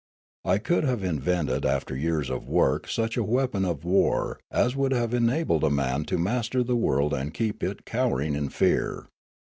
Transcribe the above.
I could have invented after years of work such a weapon of war as would have enabled a man to master the world and keep it cower ing in fear.